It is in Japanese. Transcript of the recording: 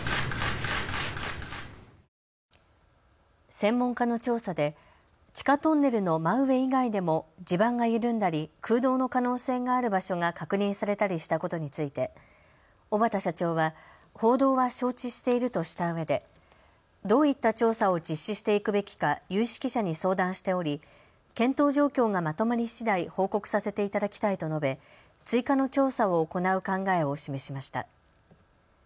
専門家の調査で地下トンネルの真上以外でも地盤が緩んだり、空洞の可能性がある場所が確認されたりしたことについて小畠社長は報道は承知しているとしたうえでどういった調査を実施していくべきか有識者に相談しており検討状況がまとまりしだい報告させていただきたいと述べ追加の調査を行う考えを示しました。